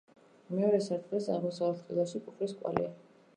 მეორე სართულის აღმოსავლეთ კედელში ბუხრის კვალია.